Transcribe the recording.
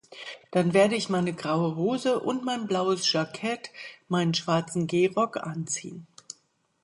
Dann werde ich meine graue Hose und mein blaues Jackett meinen schwarzen Gehrock anziehen.